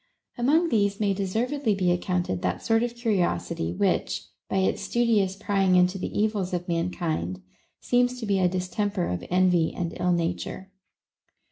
Among these may deservedly be accounted that sort of curiosity, which, by its studious prying into the evils of man kind, seems to be a distemper of envy and ill nature.